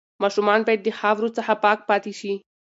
ماشومان باید د خاورو څخه پاک پاتې شي.